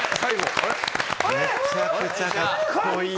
めちゃくちゃカッコいい！